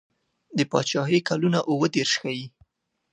د پاچهي کلونه اووه دېرش ښيي.